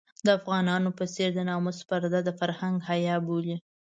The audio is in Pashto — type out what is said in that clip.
د افغانانو په څېر د ناموس پرده د فرهنګ حيا بولي.